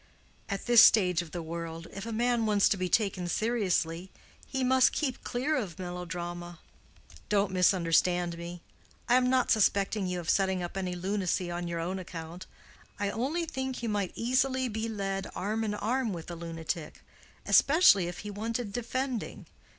At this stage of the world, if a man wants to be taken seriously, he must keep clear of melodrama. Don't misunderstand me. I am not suspecting you of setting up any lunacy on your own account. I only think you might easily be led arm in arm with a lunatic, especially if he wanted defending.